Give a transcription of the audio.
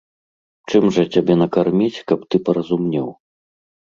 Чым жа цябе накарміць, каб ты паразумнеў?